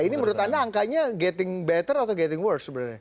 ini menurut anda angkanya getting better atau getting worse sebenarnya